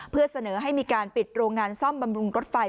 เพื่อเสนอให้มีการปิดโรงงานซ่อมบำรุงรถไฟ